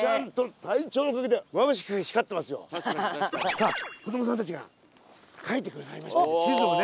さあ子どもさんたちが描いてくださりました地図をね